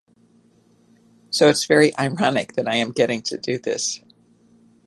So it's very ironic that I'm getting to do this.